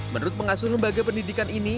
menurut pengasuh lembaga pendidikan ini